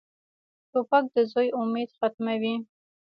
توپک د زوی امید ختموي.